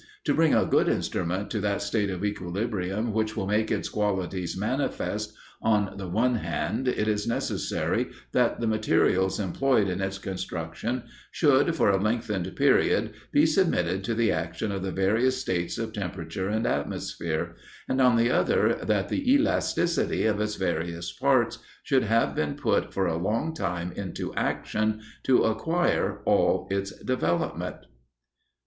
To bring a good instrument to that state of equilibrium which will make its qualities manifest, on the one hand it is necessary that the materials employed in its construction should, for a lengthened period, be submitted to the action of the various states of temperature and atmosphere; and on the other, that the elasticity of its various parts should have been put for a long time into action, to acquire all its development.